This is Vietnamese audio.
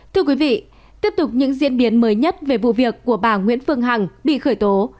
thưa quý vị tiếp tục những diễn biến mới nhất về vụ việc của bà nguyễn phương hằng bị khởi tố